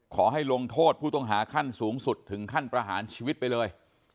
ขอให้ลงโทษผู้ต้องหาขั้นสูงสุดถึงขั้นประหารชีวิตไปเลย